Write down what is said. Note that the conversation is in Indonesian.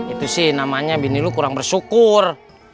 itu sih namanya bini lu kurang bersyukur